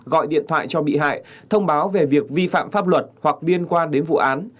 gọi điện thoại cho bị hại thông báo về việc vi phạm pháp luật hoặc liên quan đến vụ án